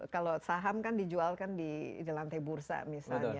kalau saham kan dijual kan di lantai bursa misalnya